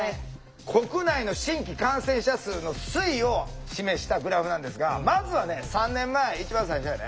国内の新規感染者数の推移を示したグラフなんですがまずはね３年前一番最初やね。